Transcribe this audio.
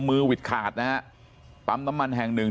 มือหวิตขาดนะฮะปั๊มน้ำมันแห่ง๑